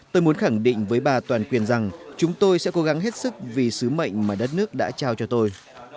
tôi muốn khẳng định với bà toàn quyền rằng chúng tôi sẽ cố gắng hết sức vì sứ mệnh mà đất nước đã trao cho tôi